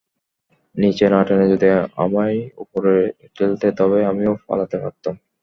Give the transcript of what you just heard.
নিচে না টেনে যদি আমায় উপরে ঠেলতে, তবে আমিও পালাতে পারতাম।